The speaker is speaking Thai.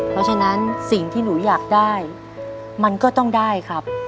เพราะฉะนั้นสิ่งที่หนูอยากได้มันก็ต้องได้ครับ